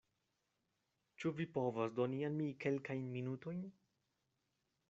Ĉu vi povas doni al mi kelkajn minutojn?